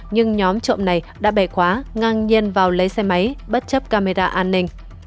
nhưng nhóm trộm này đã bẻ khóa ngang nhiên vào lấy xe máy bất chấp camera an ninh